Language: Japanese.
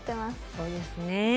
そうですね。